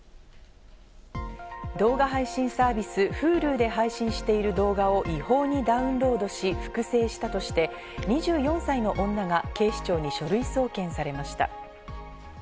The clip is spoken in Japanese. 動画配信サービス・Ｈｕｌｕで配信している動画を違法にダウンロードし、複製したとして、２４歳の女が警視庁に書類送検されました。